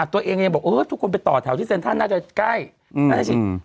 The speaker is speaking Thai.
ตัวเองยังบอกทุกคนไปต่อแถวที่เซ็นทรัลน่าจะใกล้น่าจะฉีด